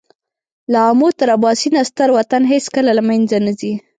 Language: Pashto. له آمو تر اباسینه ستر وطن هېڅکله له مېنځه نه ځي.